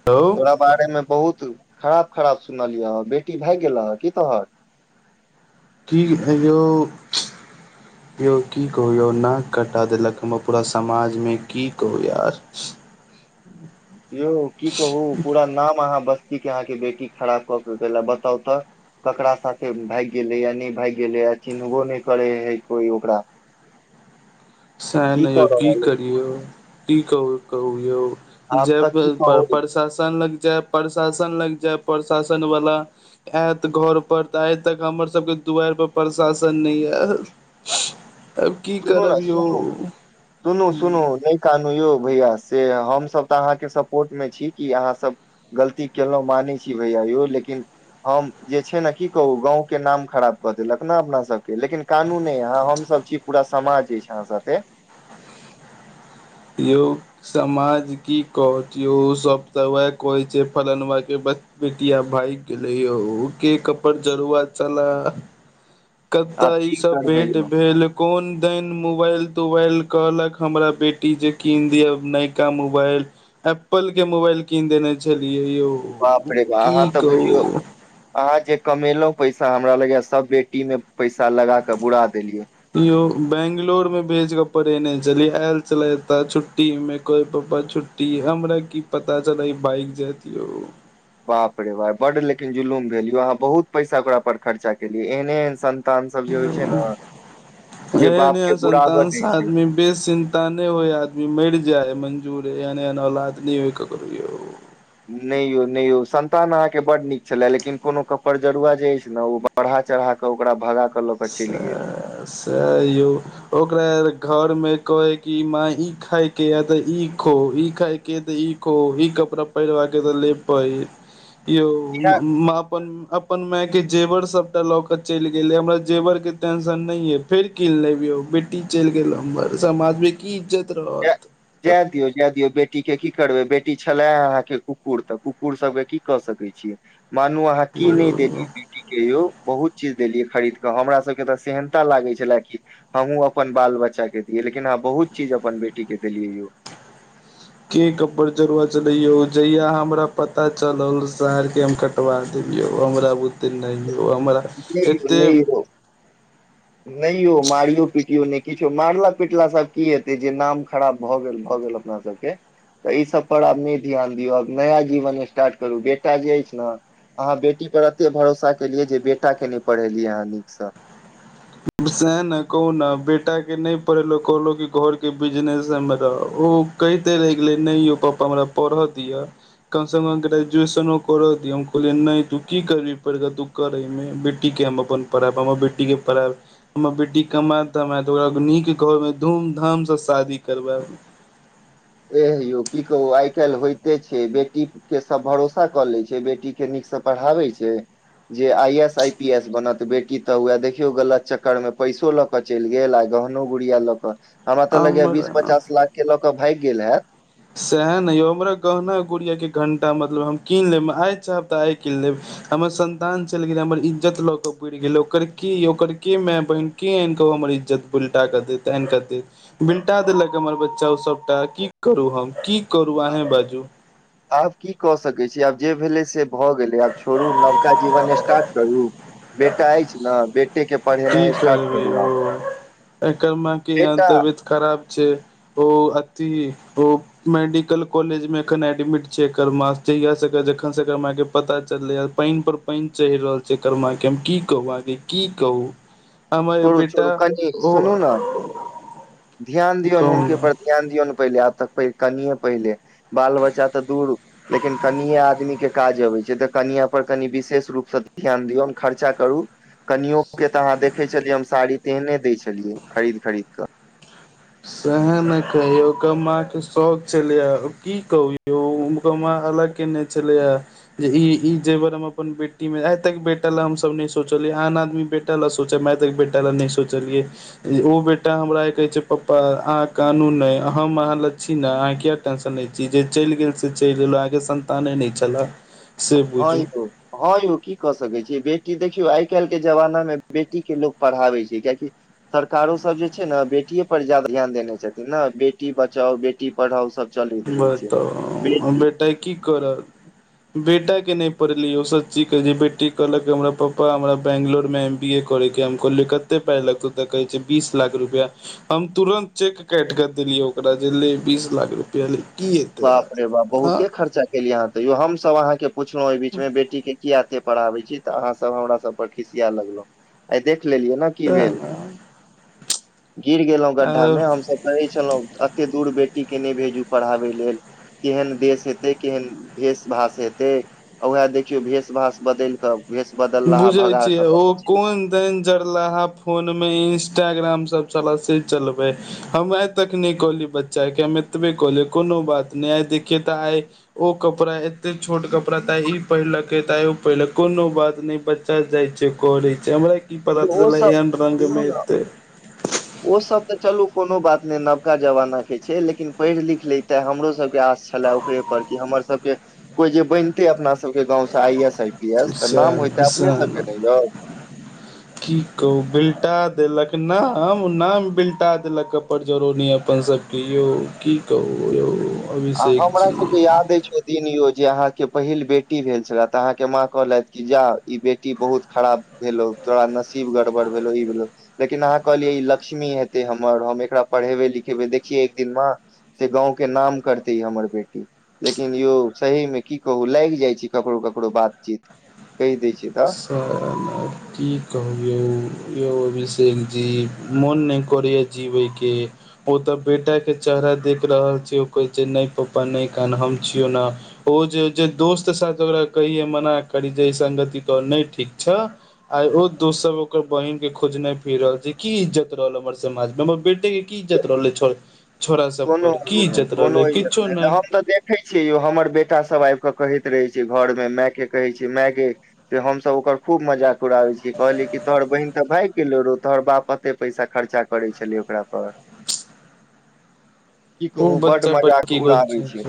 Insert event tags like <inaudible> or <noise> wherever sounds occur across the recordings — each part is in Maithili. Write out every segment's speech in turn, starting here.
ओ। रा बारे मे बहुत खराब-खराब सुनलया, बेटी भाएग गेल रहा की तोहर। की ए यौ। यौ की कहु यौ नाक कटा देलक हमर पूरा समाज मे की कहु यार। यौ की कहु पूरा नाम अहाँ बस्ती के अहाँके बेटी खराब कऽ के गेल अय बताउ तऽ ककरा साथे भाएग गेलै या नै भाएग गेलै आ चिन्हबो नै करे हय कोई ओकरा। सन यो कऽ की रहल है करियौ की कहु-कहु यो आब जय तऽ वे की प्र कहू प्रशासन लग जाय, प्रशासन लग जाय प्रशासन वालला आयत घर पर तऽ आइ तक हमर सबके दुआरि पर प्रशाासन नहि ऄल। तब की सुनू करब ने यौ सुनू सुनू सुनू न कनू यौ भैयस से हमसभ तऽ अहाँके सपोर्ट मे छी कि अहाँसभ गलती केलहुँ मानै छी भैया यौ लेकिन हम जे छै ने की कहू गाँंव के नाम खराब कऽ देलक ने अपना सबके लेकिन कानूने अहाँ हमसभ छी पूरा समाज जे छैय अहाँ साथे। यौ समाज की कऽहत यो सब ते उहे कहे छे फलना के बच बेटिया भागगेलै यौ के कपड़ जरूआ चला कत्ता आब ई की सब करबै भेंट यौ भेल कोन दन मोबाईल-तोबाईल कहलक हमरा बेटी जे कीन दिअआ नवका मोबाईल। एप्पल के मोबाईल कीन देने छलियै यौ। बापड़े बाप अहा की तऽ बुझयो कहू अहाँ जे कमेलहुँ पैसा हमरा लगया सब बेटी में पैसा लगा क बुरा देलिय। यो बंगलोर में भेज के पड़ेने छलियै आयल छल त छुट्टी में कोई पापा छुटृ हमरा की पता चलै भाग जातयो। बाप रे बाप बड लेकिन जुलुम भेल यौ अहाँ बहुत पैसा ओकरा पर खर्चा केलियै एहने एहन सं तान सब जे होइ छैय नहि, जे बाप के बुराब दे छैय। बेसंतान होइ आदमी मरि जाय मंजूर है एहन, एहन औलाद नहि हो ककरो। नहि यौ नहि यौ संन्तान अहाँके बड नीक छलए लेकिन कुनु कपर जरुआ जे अछि नही ओ पढ़ा चढ़ााक ओकरा भगा क से, से यौ ओकरा घर मे कहे कि माय इ खाइके या तऽ ई खो ई खाइके तऽ ई खो भी कपड़ा पहिरबाकके तऽ लेपइहर यौ इएह माँ अपन-अपन माय के जेवर सँभटा लऽ क चलि गेलै हमरा जेवर के टेंशन नहि ये फेर कीन लेबियो बेटी चल गेलो हमर समाज मे की इज्जत रहल। जाय जाय दियो जाय दियऔ बेटी के की करबे बेटी छले अहाँ के कुकुर तऽ कुकुर कुकुर सब के की कह सकै छीियै मानू अहाँ की नहि देलिए बेटी कऽ यौ बहुत चीज देलियै खरीद क हमरा सबके तऽ सेहनता लागे छलए किी हमहूँ अपन बाल-बच्चा के दिये लेकिन अहा बहुत चीज अपन बेटी के देलियै यौ। के कपर जरुआ चलैयो जहिया हमरा पता चलल शहर के हम नाम कटबा दियौ हमरा बुे नहि यौ हमरा नहि यौ एते नहि यौ नहि यौ मारियो-पीटियो नहि किछो मारला पिटलासँभ की हेतै जे नाम खराब भऽ गेल भऽ गेल अपन अपना सबके तऽ ईसभ पर आब नहि ध्यान दियौ आब नया जीवन स्टार्ट करू बेटा जे अछि नहि अहाँ बेटी पर एते भरोसा केलियै जे बेटा के नहि पढ़ेलियै अहाँ नीकसँ सह ने कहु ने बेटा के नहि पढ़ेलो कहलो क घर के बिजनेस हम रह ओ कहिते रहि गेलै नहि यौ पप्पा हमरा पढ़ऽ दिआ। कम से कम ग्रेजुएशनो करऽ दिआ हम कहलियै नहि तू की करभी पढ़ के तू करैमे बेटीके हम अपन पढ़ायब हमर बेटीके पढ़ायब। हमर बेटी कमााय-तमात ओकरा नीक घरमे धूमधामसँ शादी करबै। एे यौ की कहू आइ काल्हि होइते छैय बेटी के सब भरोसा कऽ ले छैय बेटी के नीकसँ पढ़ाबै छैय। जे I S, I P S बनत बेटी तऽ वैह देखियो गलत चक्कर में पैसो लऽ क चलि गेल आ गहनो गुड़िया लऽ क हमरा तऽ लगैया बीस हमरा पचास लाख के लऽ क भागि गेल हैत। सएह ने यौ हमरा गहना गुड़ियाके घण्टा मतलब हम कीन लेब हम आइ चाहब तऽ आइ कीन लेब। हमर सन्तान चलि गेल हमर इज्जत लऽ क बुुरि गेल ओकर की ओकर के माय बहिन के आनि कऽ ओ हमर इज्जत पुलटा कऽ देत आनिक देत? बिलटा देलक हमर बच्चा ओ सबटा की करू हम की करू अहें बाजू। आब की कऽ सकै छी आब जे भेलै से भऽ गेलै आब छोड़ू नवका जीवन स्टार्ट करू बेटा अछि न बे की करबै यौ एकर मै क याँ बेटा तबियत खराब छैय ओ अथि ओ मेडिकल कॉलेजमे एखन एडमिट छैय एकर माँ जहियास एकर जखनसे एकर मैय के पता चललैए पानि पर पानि चढ़ि रहल छैय एकर माँ के हम की कहु अहांके की कहू। हमर छोरु बेटा छोरू कनि ओ सुनू न ध्यान दियौन कहू हुनके ने पर ध्यान दियौन पहिले आब तक कनिये पहिले बाल बच्चा तऽ दूर लेकिन कनिए आदमी के काज अबै छै तऽ कनिया पर कनि विशेष रूपसँ ध्यान दियौन खर्चा करू। कनियो के त अहाँ देखे छलियै हम साड़ी तेहने दय छलियै खरीद खरीद क सैह ने कहै यौ ओकर माँ के शौक छलैयै की कहू यौ ओ म ओकर मां अलग केने छलैयै। जे ई ई जेबर हम अपन बेटी मे आइ तक बेटा लै हमसब नहि सोचलियै आन आदमी बे टाले सोचल हम आइ तक बेटा लए नहि सोचलियै ओ बेटा हमरा आइ कहै छै पप्पा अहाँ कानू नहि हम अहाँ ल छी ने अहाँ किया टेंशन लै छी जे चलि गेल से चलि गेल ओ आहांके संन्ताने नै छले। हं यौ। हँ यौ की क सकै छीयै बेटी देखियौ आइ काल्हि के जमाना मे बेटी के लोक पढ़ाबै छै कियेकि सरकारो सब जे छै ने बेटीेये पर जादा ध्यान देने छथिन ने बेटी बचाओ बेटी पढ़ाओ सब चलैत रहै छै बताउऽ आ बेटी बेटा की करत बेटा के नहि पढ़ेलीयै यौ सच्ची कहै छै बेटी कहलक कि हमरा पप्पा हमरा बेैंगलोर मे एम बी ए करे के अई हम कहलियै कते पाइ लगतौ त कहे छै बीस लाख रुपया हम तुरन्त चेक काइट कऽ देलियै ओकरा जे ले बीस लाख रुपआ ले। की हेतै बाप रे बाप आब हँ बहुते खर्चा केलियै अहाँ त यौ हमसभ अहाँके पुछलहुँ ओहि बीचमे बेटीके किया एते पढ़ाबै छी तऽ अहाँ सब हमरा सब पर खिसिये लगलौं आइ देख लेलियै ने की सैह भेल न गिर गेलहुं गड्ढा आ में हमसभ करहै छलहुँं अते दूर बेटी के नहि भेजू पढ़ाबे लेल केहन देश हेतै केहन भेष भाष हेतै आ वैह देखियौ भेष भाष बदलि कऽ भेष बदल बुझै छियै ओ कोन दनि जरलाहा फोन मे इंस्टाग्राम सब छल से चलबै हम आइ तक नहि कहलियै बच्चा के हम एतबे कहलियै कोनो बात नहि आइ देखियै तऽ आइ ओ कपड़ा एते छोट कपड़ा त आइ ई पहिरलकै त आइ ओ पहिरलक कोनो बात नै बच्चा जाइत छै कऽरै छै हमरा की पता गेल ओ छलै जे एहन रंग मे एतै। ओसभ तऽ चलू कोनो बात नहि नवका जमाना के छै लेकिन पढ़ि लिख लै तए हमरो सबके आस छले ओकरे पर कि हमर सबके कोई जे बैनतइ अपना सब के गाँव स I S I P S त नाम होइते साला अपने सब साला के ने यौ को- की कहू बिल्टा देलक नाम नाम बिलटा देलक अप- बड्ड जरूरनी अपन सबके यौ की कहु यौ आ अभिषेक हमरा जी सबके याद अइछ दिन यौ जे अहाँके पहिल बेटी भेल छले तऽ अहाँके माँ कहलथि कि जा ई बेटी बहुत खराब भेलौ तोरा नशिब गड़बड़ भेलो ई भेलौ लेकिन अहाँ कहलियै ई लक्ष्मी हेतै हमर हम एकरा पढ़ेबै लिखेबै देखियै एक दिन मां से गाँंव के नाम कर तै हमर बेटी, लेकिन यौ सही मे की कहू लाइग जाइ छै ककरो ककरो बातचीत। कैह दै छै त <unintelligible> की कहु यौ- यौ अभिषेक जी मोन नै करैयै जीबयके। ओ तऽ बेटा के चेहरा देख रहल छै ओ कहै छै नइ पप्पा नै कान हम छियौ न ओ जे -जे- दोस्त साथ ओकरा कहिये मना करी जे संगति तोहर नहि ठीक छौ आय ओ दोस्त सब ओकर बहिन के खोजने फिर रहल छै। की इज्जत रहल हम्मर समाज मे हम्मर बेटे की इज्जत रहलै छ- छोरा सब कोनो पर की नहि इज्जत रहलै कोनो इज्जत किछो नहि तऽ नइ। हम तऽ देखै छियै यो हमर बेटा सभ आइब कऽ कहैत रहै छै घर मे मैऽ के कहै छै मैऽगय से हमसब ओकर खूब मजाक <unintelligible> कहलियै की, तोहर बहिन तऽ भाइग गेलो रौ तोहर बाप अते पैसा खरचा करे छलय ओकरा पर की ओ कहु बड बच्चा पर मजाक की उड़ाबै छै।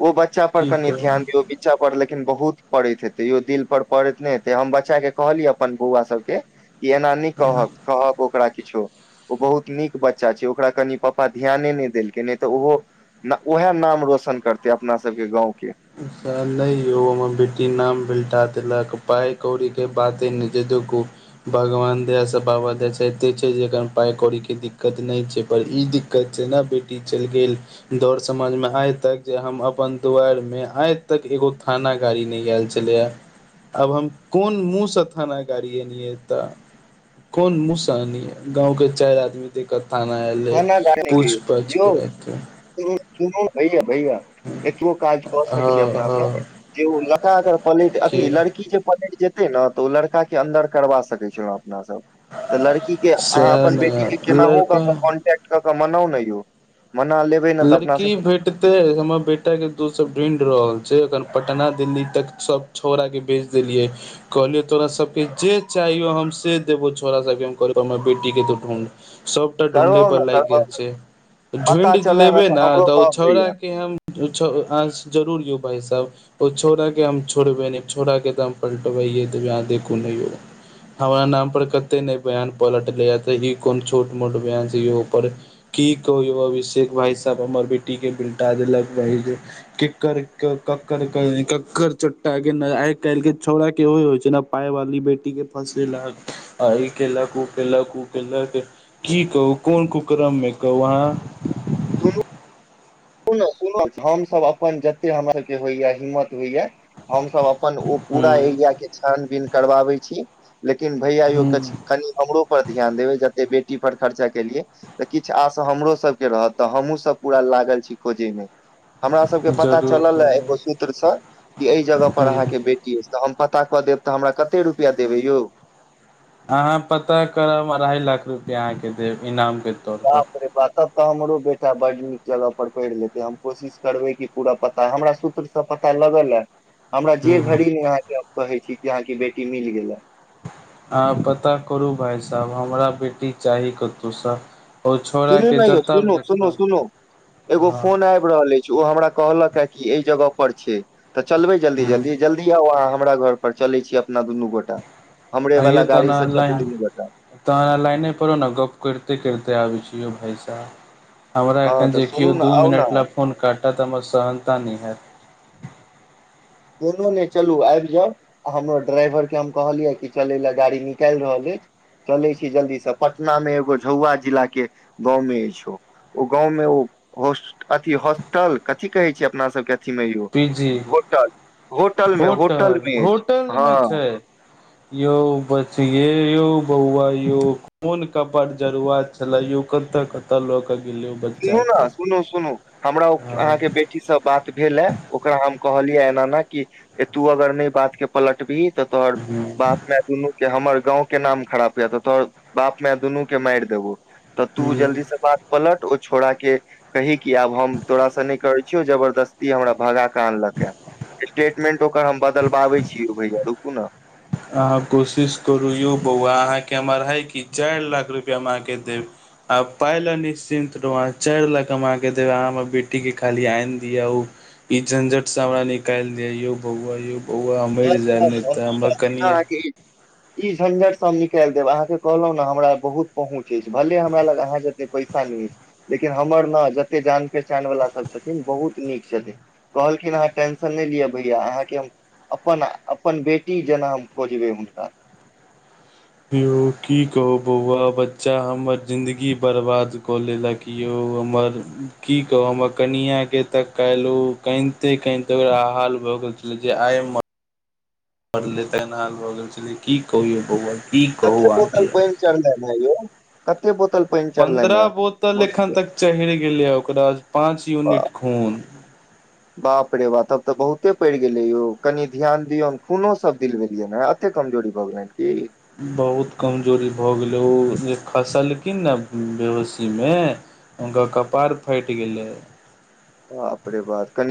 ओ बच्चा पर की कनि ध्यान कहू दियौ भी बच्चा पर लेकिन बहुत पड़ैत हेतै यौ दिल पर पड़ैत नय हेतै हम बच्चा के कहलियै अपन बौआ सबके की एना नै कहक कहब ओकरा किछो ओ बहुत नीक बच्चा छै ओकरा कनि पप पा कनि ध्याने नय देलकै नय तऽ ओहो-न- उएह नाम रौशन करतय अपना सबके गाँंव के। नय यौ हमर बेटी नाम बिलटा देलक पाइ कौड़ी के बाते ने जे देखु भगवान दया स बाबा दय स एत्ते छै जेखन पाइ कौड़ी के दिक्कत नइ छै पर ई दिक्क- क्त छै ने बेटी चइल गेल। दौड़ समाज मे आइ तक जे हम अपन दुआरि मे आइ तक एगो थाना गाड़ी नय ऐल छलैया। आब हम कोन मुँहसँ थाना गाड़िए एनिए त। कोन मुहँ स अनियै गाँंव के चाइर आदमी थी के थाना एलय थाना गाड़ी के पूछ -पाछ यौ कर एत। सुनू -सुनु भैया -भैया एतबो काज कऽ सकै छी हँ हँ अपनासँ जे ओ लका अगर पलैट अथी की लड़की जे पलैट जेत्- ने तऽ ओ लड़का के अन्दर करबा सकै छलहुं अपना सब तऽ लड़की के अहाँ सएह अपन ने बेटी के केनाहो क- लड़का क कनटेक्ट क क मनाउ न यौ मना लेब लड़की भेट तय हम्मर बेटा के दोस्त सब ढूइढ़ रहल छै अखन पटना दिल्ली तक सब छौंरा के बेज देलियै। कहलियै तोरा सबके जे चाहियौ हम से देबौ छोरा सबके हम कहलिय हमर बेटी के तू ढूँढ। सबटा ढूंढ़इ करबाउ पर ने लाइग गेल करबाउ छै। ढुंइढ पता चलय लेबै ने हमरो तऽ ओ कहब भैया छौंड़ाके हम छ- अं-जरूर यौ भाई साब ओ छौंड़ा के हम छोड़बे नें छौंडा के तऽ हम पल्टबैयै देबे अहाँ देखू ने यौ। हमरा नाम पर कत्ते ने बयान पलटलै त ई कोन छोट मोट बयान छै यौ पर की कहु यौ अभिषेक भाइ साब हमर बेटी के बिलटा देलक। <unintelligible> केक्कर क-कक्कर-क- कक्कर चोट्टा के न- आइ काइल के छौंड़ा के इहो होइ छै ने पाय वाली बेटी के फसेलक ई केलक ओ केलक उ केलक। की कहू कोन कुकर्रममे कहू अहाँ। हमु सुनु सुन हमसभ अपन जते हमरा सबके होइया हिम्मत होइया। हम सब अपन ओ पूरा एरिया के छानबीन करबाबे छी। लेकिन भैयया यौ हूं कनि हमरो पर ध्यान देबै। जते बेटी पर खर्चा केलियए। तऽ किछ आश हमरो सभके रहत। तऽ हमहूँसभ पूरा लागल छी। खोजेमे हमरा सबके पता जरूर चलल। ए जरूर एगो सूत्र से कि एहि जगह पर हूं अहाँ के बेटी अइछ। तऽ हम पता कऽ देब। तऽ हमरा कते रुपआ देबै यौ। अहाँ पता करब अढ़ाइ लाख रुपैआ अहाँके देब इनामके। बाप रे बा तब तऽ हमरो बेटा बड नीक जगह पर पढ़ि लेते। हम कोशिश करबै। कि पूरा प तऽ हमरा सूत्र से पता लगल ए। हमरा जे हूं भरी नहि अहाँके कहै छी। कि अहाँके बेटी मिल गेल ले। अहाँ पता करू भाय साहेब हमरा बेटी चाही। कतहुसँ ओ छौड़ा सुनू के न यौ। जतब देखब सुन-सुनू-सुनू एगो हँ फोन आ रहल अछि। ओ हमरा कहलक के कि एहि जगह पर छै। तऽ चलबै जल्दी- हूँ जल्दी ज अँही आउ अहाँ हमरा घर पर चलै छीय। अपना दुनू गोटा हमरे वाला गाड़ी से चलू दुनू गोटा तहरा लाइनेपर रहु ने गप करिते-करिते आबै छीयौ भाइसा। हमरा हँ एखन तऽ जे किओ सुनू ने दू आउ मिनट ने लए फोन काटत हमर सहनता नहि हेत। कुनु नैह चलू आबि जाउ। हमरो ड्राइवर के हम कहलियै। कि चलय लए गाड़ी निकालि रहल अय। चलैत छी। जल्दीसँ पटना मे एगो झौआ जिला के गाँवमे अछि। ओ ओ गाँंवमे ओ होस अथी होस्टल कथी कहै छै। अपना सबके मो पीजी होटल होटल मे होटल मे अछि होटलमे हँ छै। यौ बच ये यौ बौआ यौ मोनक कपरजरुआ छलए यौ। कतय- कतय लोक गिल्े उपर सुनू ने सुनू-सुनू हमरा हँ अहाँके से बात भेल हे ओकरा हम कहलियै। एना ए ने क तू अगर नहि बात के पलटबही तऽ तोहर हूँ बापमे दुनू के हमर गांव के नाम खराब यऽ तऽ। तोहर बाप माय दुनू के मारि देबौ। तऽ तू हूँ जल्दी से बात पलट। छोड़ा के कही कि आब हम तोराासँ नहि करै छियौ। जबरदस्ती हमरा भगा कऽ आनलक ह। स्टेटमेंट ओकर हम बदलबाबै छीिय। ओ भैया रुकु ने अहाँ कोशिश करू यौ बौआ अहाँके हमर अढ़ाई कि चाइर लाख रुपैया हम अहाँके देब। आ पाइ लए निश्चिन्त रहू अहाँ चारि लाख हम अहाँके देब। अहाँ हमर बेटीकेँ खाली आनि दिअ ओ। ई झंझट स हमरा निकाइल दिय यौ बऊआ यौ बऊआ हम मईर जेब नेइ ता। ह। ई झंझटसँ हम निकालि देब। अहाँके कहलहुँ ने हमरा बहुत पहुँच अछि। भले हमरा लग अहाँ जे एतेक पैसा नहि अछि। लेकिन हमर ने जतेक जान पहचान वला सभ छथिन। बहुत नीक छथिन। कहलखिन अहाँ टेंशन नहि लिअ भैया। अहाँके हम अपन अपन बेटी जेना हम खोजबै। हुनका हौ की कहू बौआ बच्चा हमर जिन्दगी बर्बाद कऽ लेलक। कि यौ हमर की कहू हमर कनिआके तऽ काल्हि ओनि ेकरााल भऽ गेल जे आ म पड़ले तेन हाल भऽ गेल छलै की कहय बौआल कते बोतल पानि चढ़लनि ह यौ कते बोतल पानि चढ़लनि पन्द्रह हे बोतल भौजी के? एखन तक चढ़ि गेलै ओकरा पाँच यूनिट खून। बाप रे बा तब तऽ बहुते पड़ि गेले यौ कनि ध्यान दियऔ खूनो सब दिल भेलिये ने। अतेक कमजोरी भ गेलइन की? बहुत कमजोरी भऽ गेलै ओ जे खसलखिन ने बेहोशीमे हुनकर कपार फाटि गेलै। बाप रे बाप कनि